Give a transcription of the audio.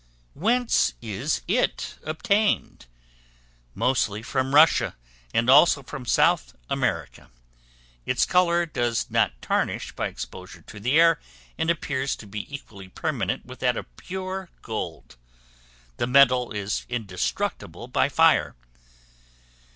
Whence is it obtained? Mostly from Russia, and, also from South America. Its color does not tarnish by exposure to the air, and appears to be equally permanent with that of pure gold; the metal is indestructible by fire.